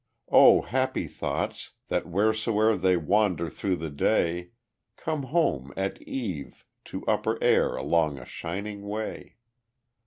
Oh happy thoughts, that wheresoe'er They wander through the day, Come home at eve to upper air Along a shining way.